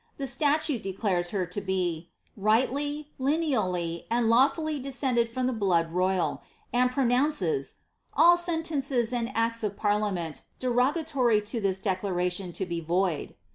The statute declares her to be ^ rightly, lineally, and lawfully descended from the blood royal,^ and pronounces ^'aii sentences and acts of parliament deroga tory to this declaration to be void."